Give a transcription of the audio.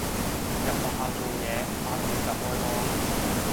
入學校做嘢，八點就開波